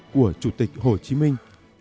của chủ tịch hồ chí minh